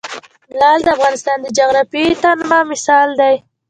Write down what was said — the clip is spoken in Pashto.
لعل د افغانستان د جغرافیوي تنوع مثال دی.